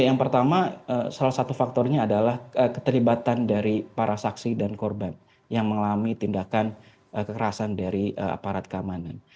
yang pertama salah satu faktornya adalah keterlibatan dari para saksi dan korban yang mengalami tindakan kekerasan dari aparat keamanan